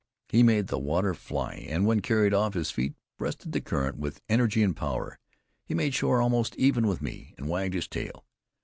He made the water fly, and when carried off his feet, breasted the current with energy and power. He made shore almost even with me, and wagged his tail.